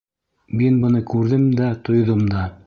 Мин быны күрҙем дә, тойҙом да.